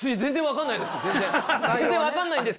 全然分かんないです！